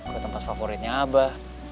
ke tempat favoritnya abah